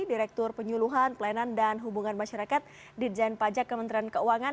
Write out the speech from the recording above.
direktur penyuluhan pelayanan dan hubungan masyarakat ditjen pajak kementerian keuangan